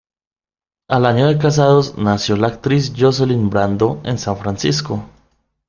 Al año de casados nació la actriz Jocelyn Brando en San Francisco.